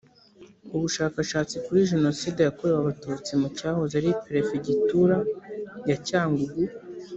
ubu bushakashatsi kuri jenoside yakorewe abatutsi mu cyahoze ari perefegitura ya cyangugu